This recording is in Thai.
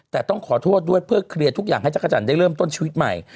แต่ต้องขอโทษด้วยเพื่อเคลียร์ทุกอย่างให้จักรจันทร์ได้เริ่มต้นชีวิตใหม่